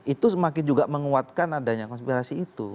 itu semakin juga menguatkan adanya konspirasi itu